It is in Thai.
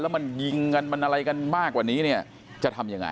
มันยิงกันมันอะไรกันมากกว่านี้เนี่ยจะทำยังไง